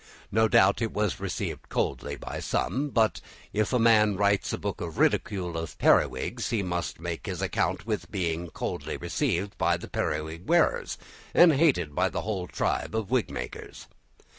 No doubt it was received coldly by some, but if a man writes a book in ridicule of periwigs he must make his account with being coldly received by the periwig wearers and hated by the whole tribe of wigmakers.